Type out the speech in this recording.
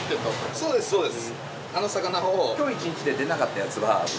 そうですそうです！